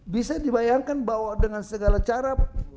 bisa dibayarkan bahwa dengan segala cara